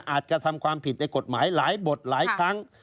กระทำความผิดในกฎหมายหลายบทหลายครั้ง